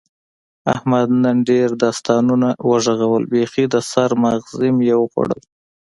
احمد نن ډېر داستانونه و غږول، بیخي د سر ماغز مې یې وخوړل.